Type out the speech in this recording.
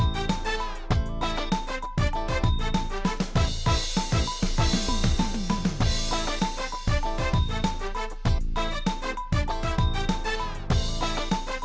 ทีความจัดการตัวเอกสาของเขาจริง